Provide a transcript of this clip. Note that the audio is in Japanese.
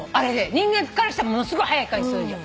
人間からしたらものすごい速い感じするじゃん。